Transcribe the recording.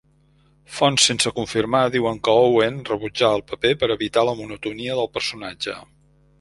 Fonts sense confirmar diuen que Owen rebutjà el paper per evitar la monotonia del personatge.